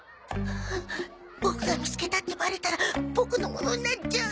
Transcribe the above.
ボクが見つけたってバレたらボクのものになっちゃう。